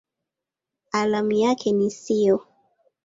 Alama yake ni SiO.